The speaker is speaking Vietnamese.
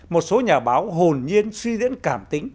một số nhà báo hồn nhiên suy diễn cảm tính